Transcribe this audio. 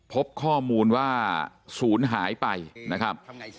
พบข้อมูลว่าศูนย์หายไปนะครับ